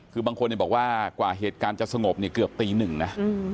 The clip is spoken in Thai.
คือบางคนบอกว่ากว่าเหตุการณ์จะสงบเนี่ยเกือบตีหนึ่งนะ